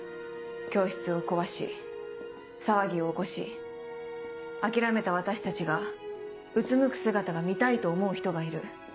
教室を壊し騒ぎを起こし諦めた私たちがうつむく姿が見たいと思う人がいる。